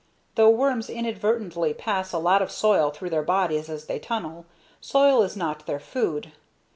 Though worms inadvertently pass a lot of soil through their bodies as they tunnel, soil is not their food.